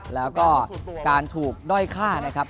แล้วก็การถูกด้อยฆ่านะครับ